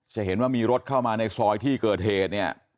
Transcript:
จะเห็นว่ามีรถเข้ามาในซอยที่เกิดเหตุเนี่ย